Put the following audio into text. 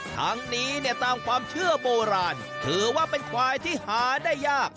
ทั้งนี้เนี่ยตามความเชื่อโบราณถือว่าเป็นควายที่หาได้ยาก